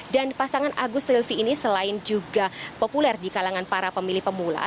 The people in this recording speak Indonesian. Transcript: dan pasangan agus dan silvi ini selain juga populer di kalangan para pemilih pemula